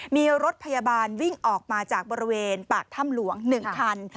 มีรถพยาบาลวิ่งออกมาจากบริเวณปากถ้ำหลวง๑คัน